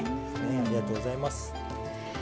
ありがとうございます。